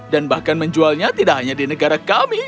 dan bahkan menjualnya tidak hanya di negara kami